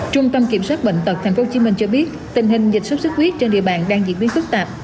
trung tâm kiểm soát bệnh tật tp hcm cho biết tình hình dịch sốt xuất huyết trên địa bàn đang diễn biến phức tạp